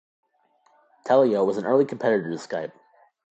Teleo was an early competitor to Skype.